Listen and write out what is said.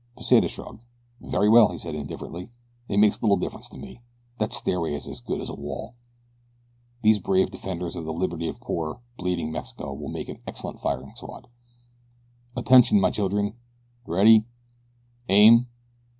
Pesita shrugged. "Very well," he said, indifferently, "it makes little difference to me that stairway is as good as a wall. These brave defenders of the liberty of poor, bleeding Mexico will make an excellent firing squad. Attention, my children! Ready! Aim!"